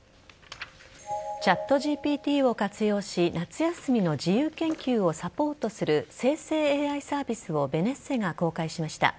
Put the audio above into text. ＣｈａｔＧＰＴを活用し夏休みの自由研究をサポートする生成ＡＩサービスをベネッセが公開しました。